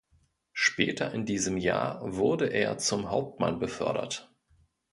Später in diesem Jahr wurde er zum Hauptmann befördert.